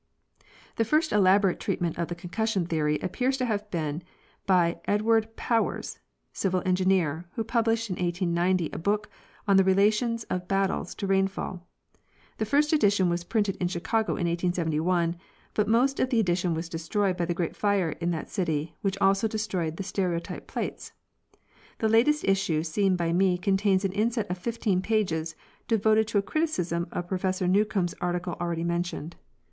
The first elaborate treatment of the concussion theory appears to have been by Edward Powers, civil engineer, who published in 1890 a book on the relations of battles to rainfall, The first edition was printed in Chicago in 1871, but most of the edition was destroyed by the great fire in that city, which also destroyed the stereotype plates. The latest issue seen by me contains an inset of 15 pages devoted to a criticism of Professor Newcomb's article already mentioned.